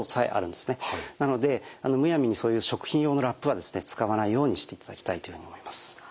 なのでむやみにそういう食品用のラップは使わないようにしていただきたいというふうに思います。